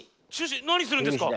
何するんですか！